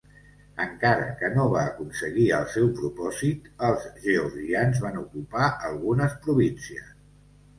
Encara que no va aconseguir el seu propòsit els georgians van ocupar algunes províncies.